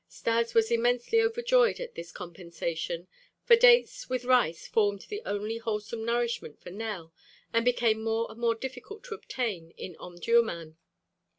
Stas was immensely overjoyed at this compensation, for dates with rice formed the only wholesome nourishment for Nell and became more and more difficult to obtain in Omdurmân.